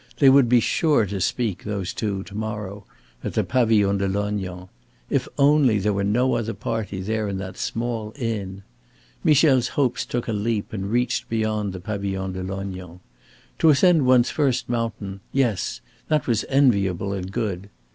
They would be sure to speak, those two, to morrow at the Pavillon de Lognan. If only there were no other party there in that small inn! Michel's hopes took a leap and reached beyond the Pavillon de Lognan. To ascend one's first mountain yes, that was enviable and good.